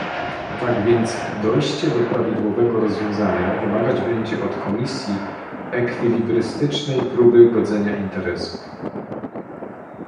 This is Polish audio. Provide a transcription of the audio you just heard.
Tak więc dojście do prawidłowego rozwiązania wymagać będzie od Komisji ekwilibrystycznej próby godzenia interesów